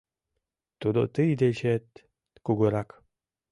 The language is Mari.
Тудо тый дечет кугурак.